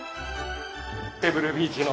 ペブルビーチの。